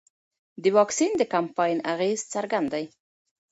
د واکسین د کمپاین اغېز څرګند دی.